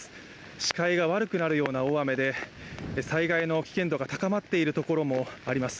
視界が悪くなるような大雨で災害の危険度が高まっているところもあります